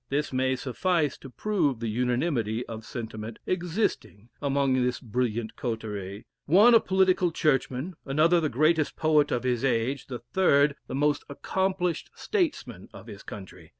This may suffice to prove the unanimity of sentiment existing among this brilliant coterie one a political Churchman another the greatest poet of his age the third, the most accomplished statesman of his country.